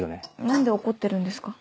何で怒ってるんですか？